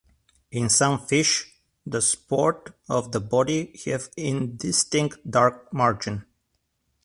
In some fish the spots on the body have an indistinct dark margin.